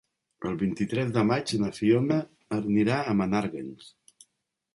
El vint-i-tres de maig na Fiona anirà a Menàrguens.